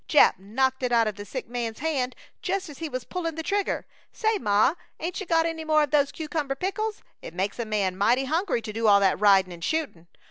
Jap knocked it out of the sick man's hand just as he was pullin' the trigger. Say, Ma, ain't you got any more of those cucumber pickles? It makes a man mighty hungry to do all that riding and shooting.